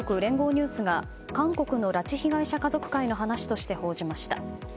ニュースが韓国の拉致被害者家族会の話として報じました。